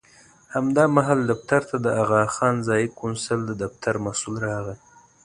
همدا مهال دفتر ته د اغاخان ځایي کونسل د دفتر مسوول راغی.